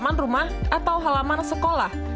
halaman rumah atau halaman sekolah